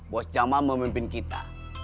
bos jamal memimpin kita